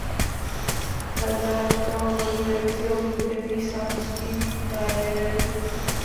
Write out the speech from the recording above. Vedle toho volí vedoucího Hudebních slavností v Bayreuthu.